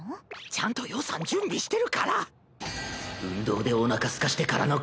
ちゃんと予算準備してるから。